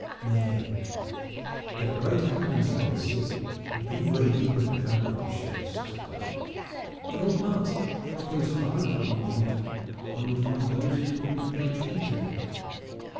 "Nay, there are great happenings upon the sea, and many worthy people to be found upon ships," said Nigel. "In all parts, if one goes far enough upon the water, one would find those whom it would be joy to meet.